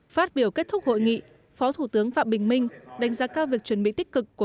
phát biểu kết thúc hội nghị phó thủ tướng phạm bình minh đánh giá cao việc chuẩn bị tích cực của